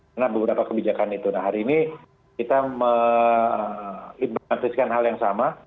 karena beberapa kebijakan itu nah hari ini kita mengimplantiskan hal yang sama